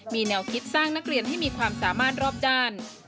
มีแนวคิดสร้างนักเรียนให้มีความสามารถรอบด้าน